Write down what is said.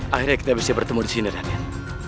akhirnya kita bisa bertemu disini raden